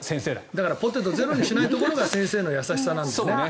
だからポテトゼロにしないところが先生の優しさだね。